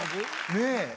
ねえ？